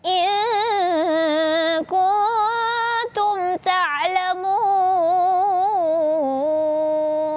in kuntum ta alabuhu